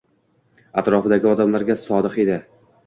Atrofidagi odamlarga sodiq edi.